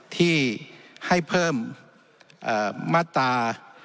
ที่ให้เพิ่มมาตรา